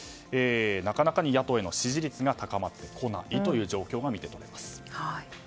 なかなかに野党への支持率が高まってこないという状況が見て取れます。